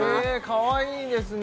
かわいいですね